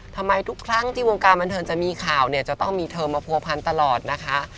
ทำไมทุกครั้งที่วงการบันเทิร์นจะมีข่าวจะต้องมีเธอมาพัวพันต์ตลอดนะคะ